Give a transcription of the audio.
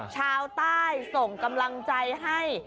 ชาวใต้ส่งกำลังใจให้